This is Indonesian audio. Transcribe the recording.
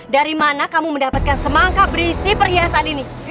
dari mana kamu mendapatkan semangka berisi perhiasan ini